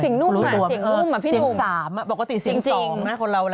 เสียงนุ่มค่ะเสียงนุ่มเสียงสามปกติเสียงสองนะ